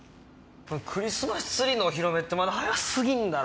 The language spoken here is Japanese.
クリスマスツリーのお披露目ってまだ早すぎんだろ！